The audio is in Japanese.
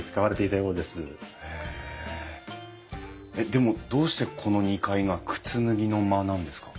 でもどうしてこの２階が靴脱ぎの間なんですか？